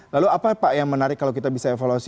lalu apa pak yang menarik kalau kita bisa evaluasi